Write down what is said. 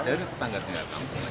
dari tangga tinggal kamu